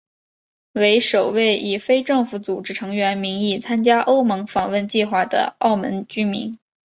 为首位以非政府组织成员名义参加欧盟访问计划的澳门居民。